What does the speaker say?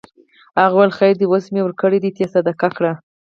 هغه وویل خیر دی اوس مې ورکړې ته یې صدقه کړه.